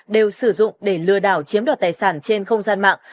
đều sử dụng để lừa đảo chiếm đoạt tài sản trên không gian mạng